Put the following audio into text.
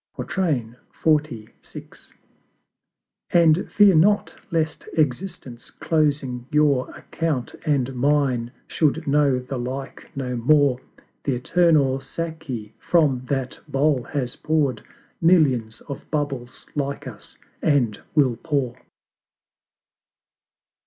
XLVI. And fear not lest Existence closing your Account, and mine, should know the like no more; The Eternal Saki from that Bowl has pour'd Millions of Bubbles like us, and will pour.